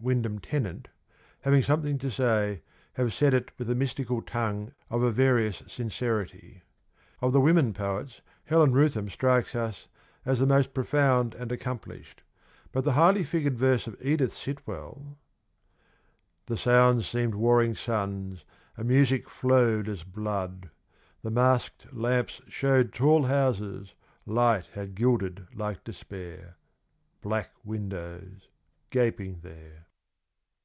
Wyndham Tennant, having something to say, have said it with the mystical tongue of a various sincerity. Of the women poets Helen Rootham strikes us as the most profound and accomplished, but the highly figured verse of Edith Sitwell : The sounds seemed warring suns ; and music flowed As blood ; the mask 'd lamps showed Tall houses, light had gilded like despair : Black windows, gaping there.